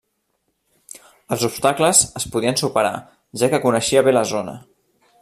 Els obstacles es podien superar, ja que coneixia bé la zona.